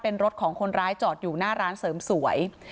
เป็นรถของคนร้ายจอดอยู่หน้าร้านเสริมสวย